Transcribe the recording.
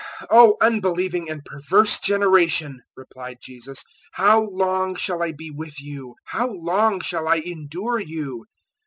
017:017 "O unbelieving and perverse generation!" replied Jesus; "how long shall I be with you? how long shall I endure you?